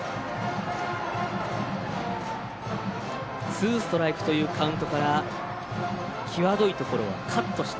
ツーストライクというカウントから際どいところはカットして。